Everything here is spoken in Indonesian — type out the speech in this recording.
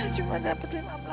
cuma dapat lima belas